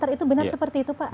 itu benar seperti itu pak